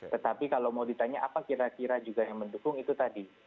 tetapi kalau mau ditanya apa kira kira juga yang mendukung itu tadi